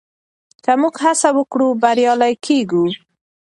که موږ هڅه وکړو بریالي کېږو.